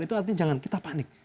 itu artinya jangan kita panik